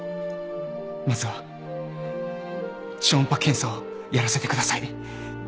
まずは超音波検査をやらせてください。